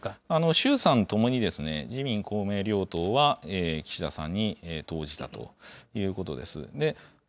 衆参ともに自民、公明両党は岸田さんに投じたということです。